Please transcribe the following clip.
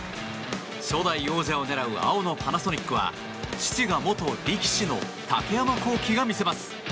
初代王者を狙う青のパナソニックは父が元力士の竹山晃暉が見せます。